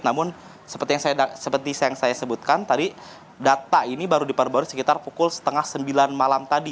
namun seperti yang saya sebutkan tadi data ini baru diperbarui sekitar pukul setengah sembilan malam tadi